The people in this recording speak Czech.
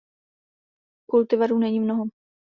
Kultivarů není mnoho.